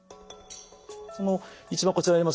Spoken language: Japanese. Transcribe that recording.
一番こちらにあります